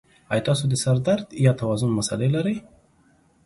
ایا تاسو د سر درد یا توازن مسلې لرئ؟